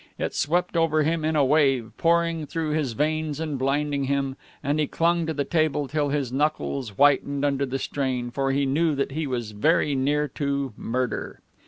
It swept over him in a wave, pouring through his veins and blinding him, and he clung to the table till his knuckles whitened under the strain, for he knew that he was very near to murder.